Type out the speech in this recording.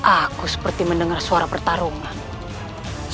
aku seperti mendengar suara pertarungan